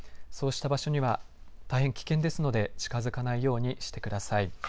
そうした場所には大変危険ですので近づかないようにしてください。